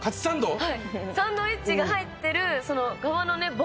サンドイッチが入ってるボックス。